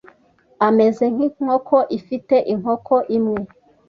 Ameze nkinkoko ifite inkoko imwe.